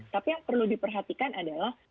tapi yang perlu diperhatikan adalah